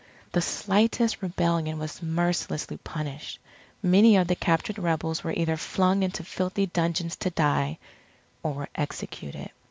The slightest rebellion was mercilessly punished. Many of the captured rebels were either flung into filthy dungeons to die or were executed.